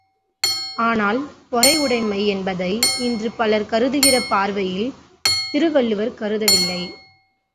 ஆனால், பொறையுடைமை என்பதை இன்று பலர் கருதுகிற பார்வையில் திருவள்ளுவர் கருதவில்லை.